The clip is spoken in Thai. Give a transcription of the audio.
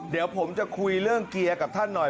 เดี๋ยวผมจะคุยเรื่องเกียร์กับท่านหน่อย